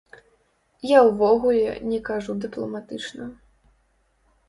Я ўвогуле не кажу дыпламатычна.